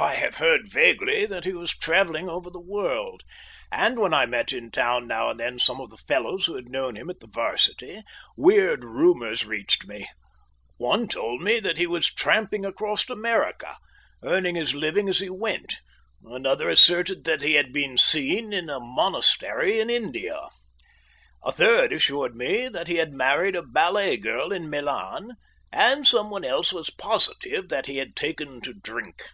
I have heard vaguely that he was travelling over the world, and, when I met in town now and then some of the fellows who had known him at the "Varsity, weird rumours reached me. One told me that he was tramping across America, earning his living as he went; another asserted that he had been seen in a monastry in India; a third assured me that he had married a ballet girl in Milan; and someone else was positive that he had taken to drink.